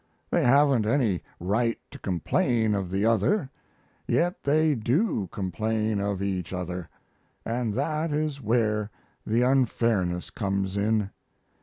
They haven't any right to complain of the other, yet they do complain of each other, and that is where the unfairness comes in.